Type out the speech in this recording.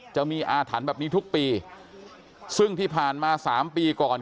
จะมีอาถรรพ์แบบนี้ทุกปีซึ่งที่ผ่านมาสามปีก่อน